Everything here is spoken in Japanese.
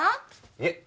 いえ。